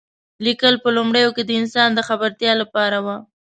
لیکل په لومړیو کې د انسان د خبرتیا لپاره و.